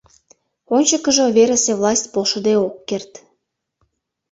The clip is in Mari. Ончыкыжо верысе власть полшыде ок керт.